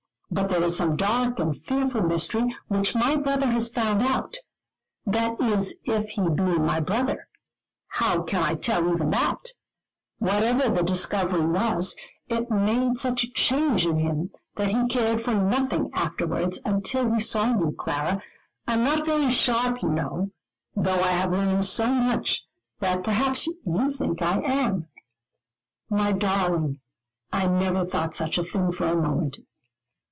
But there is some dark and fearful mystery, which my brother has found out; that is if he be my brother. How can I tell even that? Whatever the discovery was, it made such a change in him, that he cared for nothing afterwards, until he saw you, Clara. I am not very sharp, you know, though I have learned so much, that perhaps you think I am." "My darling, I never thought such a thing for a moment."